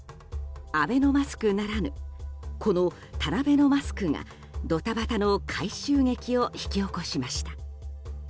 アベノマスクならぬこのタナベノマスクがドタバタの回収劇を引き起こしました。